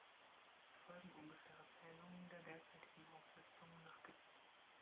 Es folgen ungefähre Zählungen der derzeitigen Auflistungen nach Gebiet.